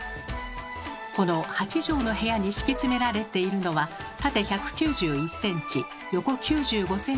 この８畳の部屋に敷き詰められているのは縦１９１ｃｍ横９５ｃｍの京間の畳。